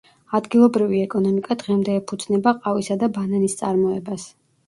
ადგილობრივი ეკონომიკა დღემდე ეფუძნება ყავისა და ბანანის წარმოებას.